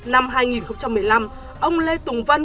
năm hai nghìn một mươi năm ông lê tùng vân